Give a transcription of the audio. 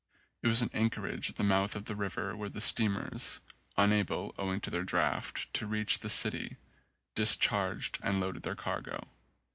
It was an anchorage at the mouth of the river where the steamers, unable owing to their draught to reach the city, dis charged and loaded their cargo.